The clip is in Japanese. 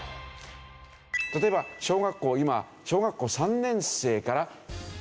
例えば小学校今小学校３年生から外国語活動。